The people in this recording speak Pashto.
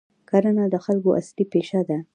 کرنه د خلکو اصلي پیشه ده.